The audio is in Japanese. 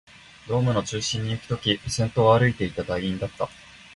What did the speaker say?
ドームの中心にいくとき、先頭を歩いていた隊員だった